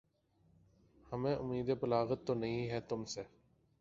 ہمیں اُمیدِ بلاغت تو نہیں ہے تُم سے